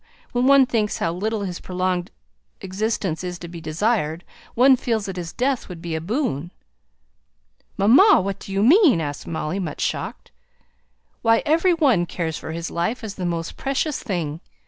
When one thinks how little his prolonged existence is to be desired, one feels that his death would be a boon." "Mamma! what do you mean?" asked Molly, much shocked. "Why, every one cares for his life as the most precious thing!